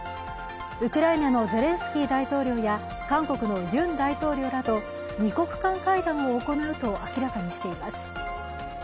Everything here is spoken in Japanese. ウクライナのゼレンスキー大統領や韓国のユン大統領らと二国間会談を行うと明らかにしています。